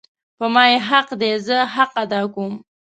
په ما یی حق ده زه حق ادا کوم